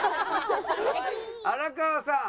荒川さん。